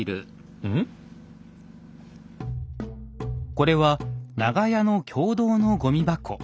これは長屋の共同のごみ箱。